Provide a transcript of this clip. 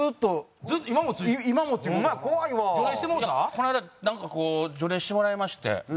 この間なんかこう除霊してもらいまして。